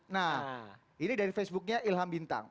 nah ini dari facebooknya ilham bintang